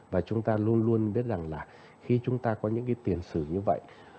và chúng ta luôn luôn biết rằng là khi chúng ta có những cái tiền sử như vậy